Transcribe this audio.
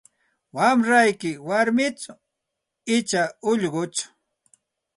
Wamrayki warmichu icha ullquchu?